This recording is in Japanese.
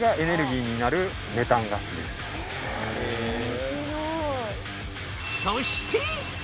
面白い！